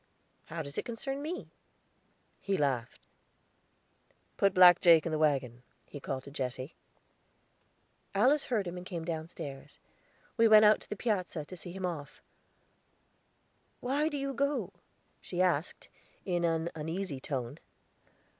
How does it concern me?" He laughed. "Put Black Jake in the wagon," he called to Jesse. Alice heard him and came downstairs; we went out on the piazza, to see him off. "Why do you go?" she asked, in an uneasy tone.